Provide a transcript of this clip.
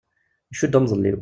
Icudd amḍelliw.